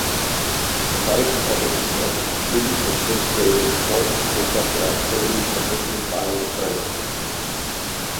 The Vice-presidents of Supreme Administrative Court take up their activities commissioned by The President.